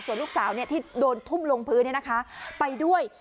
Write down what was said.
ส่วนลูกสาวเนี้ยที่โดนทุ่มลงพื้นเนี้ยนะคะไปด้วย